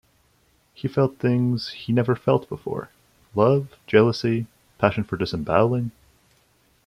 He felt things he never felt before: "love, jealousy, passion for disemboweling".